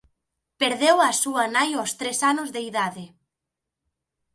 Perdeu á súa nai aos tres anos de idade.